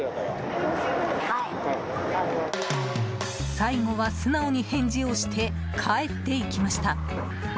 最後は素直に返事をして帰っていきました。